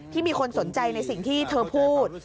มีคนสนใจในสิ่งที่เธอพูด